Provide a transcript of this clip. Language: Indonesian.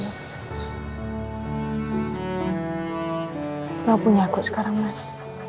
tidak punya aku sekarang mas